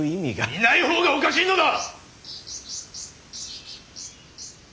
いない方がおかしいのだ！